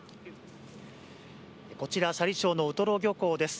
こちら斜里町のウトロ漁港です。